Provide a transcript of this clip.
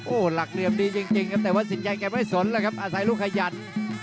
โอ้โหหลักเหลี่ยมดีจริงครับแต่ว่าสินใจแกไม่สนแล้วครับอาศัยลูกขยัน